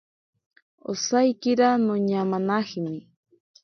Osaikira noñamanajemi.